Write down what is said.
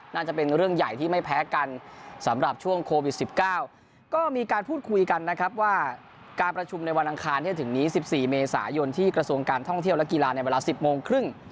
น่าจะเป็นเรื่องใหญ่ที่ไม่แพ้กันสำหรับช่วงโควิด๑๙ก็มีการพูดคุยกันนะครับว่าการประชุมในวันอังคารที่จะถึงนี้๑๔เมษายนที่กระทรวงการท่องเที่ยวและกีฬาในเวลา๑๐โมงครึ่ง